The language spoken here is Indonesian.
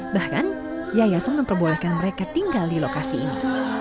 bahkan yayasan memperbolehkan mereka tinggal di lokasi ini